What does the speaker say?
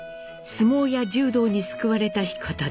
相撲や柔道に救われた彦忠。